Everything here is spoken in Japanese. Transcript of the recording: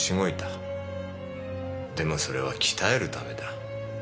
でもそれは鍛えるためだ。